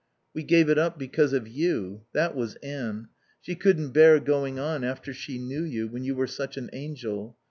"We gave it up because of you. That was Anne. She couldn't bear going on after she knew you, when you were such an angel.